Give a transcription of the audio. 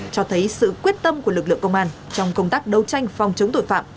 cho thấy sự quyết tâm của lực lượng công an trong công tác đấu tranh phòng chống tội phạm